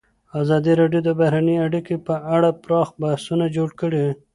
ازادي راډیو د بهرنۍ اړیکې په اړه پراخ بحثونه جوړ کړي.